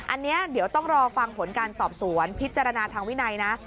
อันนี้เดี๋ยวต้องรอฟังผลการสอบสวนพิจารณาทางวินัยนะ